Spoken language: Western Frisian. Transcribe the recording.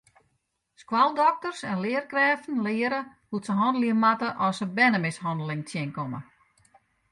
Skoaldokters en learkrêften leare hoe't se hannelje moatte at se bernemishanneling tsjinkomme.